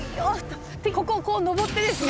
ここをこう上ってですね